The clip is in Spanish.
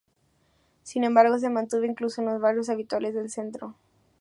Sin embargo se mantuvo incluso en los barrios habitables del centro.